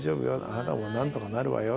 あなたもなんとかなるわよ。